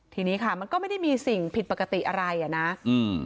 ทีนี้ค่ะมันก็ไม่ได้มีสิ่งผิดปกติอะไรอ่ะนะอืม